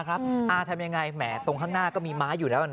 ทำยังไงแหมตรงข้างหน้าก็มีม้าอยู่แล้วนะ